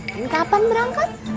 cek ini kapan berangkat